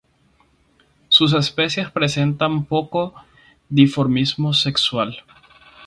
Sus especies presentan poco dimorfismo sexual.